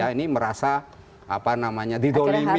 jadi ini merasa apa namanya didolimi